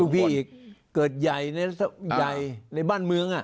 พี่อีกเกิดใหญ่ในบ้านเมือง